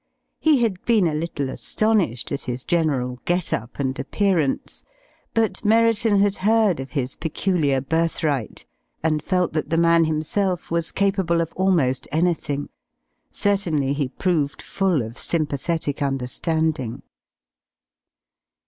He had been a little astonished at his general get up and appearance, but Merriton had heard of his peculiar birthright, and felt that the man himself was capable of almost anything. Certainly he proved full of sympathetic understanding.